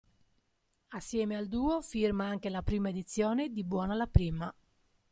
Assieme al duo firma anche la prima edizione di "Buona la prima!